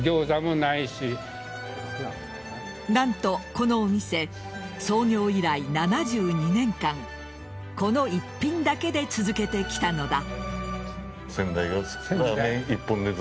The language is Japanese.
何と、このお店創業以来７２年間この一品だけで続けてきたのだ。